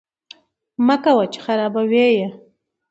مکوه! چې خراپی یې